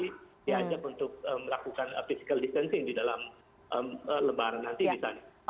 diajak untuk melakukan physical distancing di dalam lebaran nanti